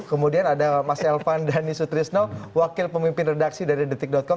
kemudian ada mas elvan dhani sutrisno wakil pemimpin redaksi dari detik com